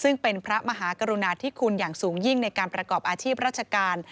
ซึ่งเป็นพระมหากรุณาธิคุณอย่างสูงยิ่งในการประกอบอาชีพราชการ